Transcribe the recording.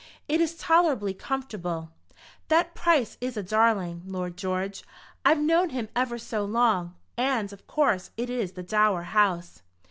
"It is tolerably comfortable." "That Price is a darling, Lord George; I've known him ever so long. And, of course, it is the dower house."